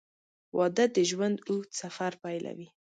• واده د ژوند اوږد سفر پیلوي.